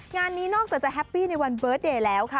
งานนี้นอกจากจะแฮปปี้ในวันเบิร์ตเดย์แล้วค่ะ